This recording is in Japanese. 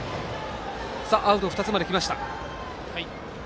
アウト、２つまできました。